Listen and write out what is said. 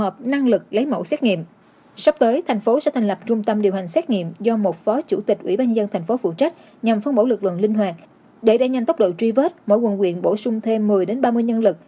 bằng linh hoạt để đẩy nhanh tốc độ tri vết mỗi quận quyện bổ sung thêm một mươi ba mươi nhân lực